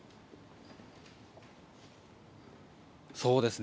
そうですね。